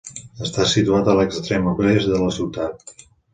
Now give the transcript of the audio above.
Està situat a l'extrem oest de la ciutat.